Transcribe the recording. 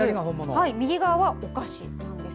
右側はお菓子なんです。